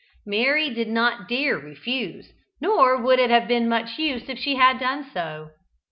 Mary did not dare refuse, nor would it have been of much use if she had done so.